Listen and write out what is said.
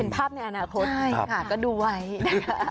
เห็นภาพในอนาคตก็ดูไว้นะคะใช่ค่ะ